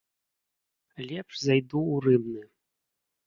Лепш зайду ў рыбны.